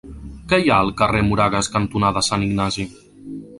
Què hi ha al carrer Moragas cantonada Sant Ignasi?